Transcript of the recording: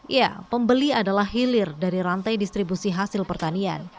ya pembeli adalah hilir dari rantai distribusi hasil pertanian